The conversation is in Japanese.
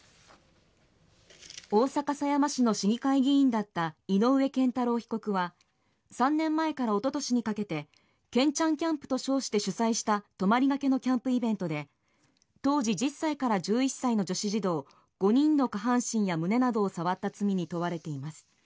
大阪狭山市の市議会議員だった井上健太郎被告は３年前からおととしにかけてけんちゃんキャンプと称して主催した泊りがけのキャンプイベントで当時１０歳から１１歳の女子児童５人の下半身や胸などを触った罪に問われています。